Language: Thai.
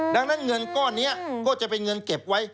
ดังนั้นเงินก้อนนี้ก็จะเป็นเงินเก็บไว้